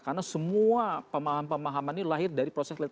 karena semua pemahaman pemahaman ini lahir dari proses kematian